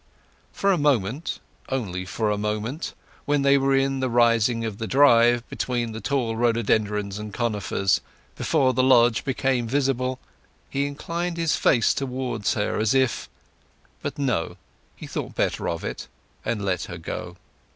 For a moment—only for a moment—when they were in the turning of the drive, between the tall rhododendrons and conifers, before the lodge became visible, he inclined his face towards her as if—but, no: he thought better of it, and let her go.